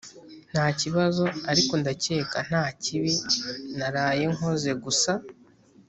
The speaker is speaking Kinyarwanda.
ntakibazo ariko ndakeka ntakibi naraye nkoze gusa